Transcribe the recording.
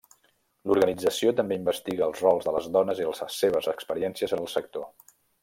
L'organització també investiga els rols de les dones i les seves experiències en el sector.